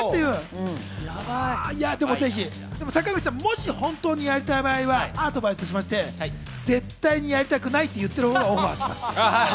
坂口さん、もし本当にやりたい場合はアドバイスとしまして絶対にやりたくないって言ったほうがオファーが来ます。